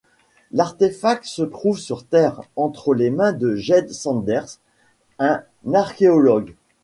L'artéfact se trouve sur Terre, entre les mains de Jed Sanders, un archéologue.